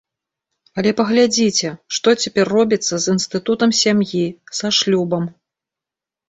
Але паглядзіце, што цяпер робіцца з інстытутам сям'і, са шлюбам.